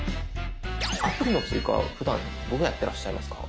アプリの追加ふだんどうやってらっしゃいますか？